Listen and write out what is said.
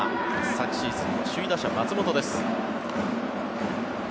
昨シーズンの首位打者松本です。